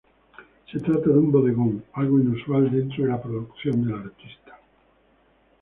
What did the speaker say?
Se trata de un bodegón, algo inusual dentro de la producción del artista.